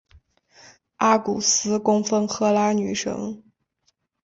阿古斯供奉赫拉女神。